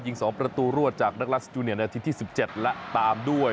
๒ประตูรวดจากนักรัสจูเนียนาทีที่๑๗และตามด้วย